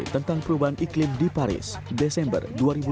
tentang perubahan iklim di paris desember dua ribu dua puluh